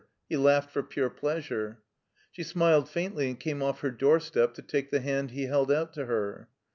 He laughed for ptire pleastire. 1^ She smiled faintly and came off her doorstep to take the hand he held out to her.